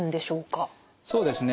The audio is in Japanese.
そうですね。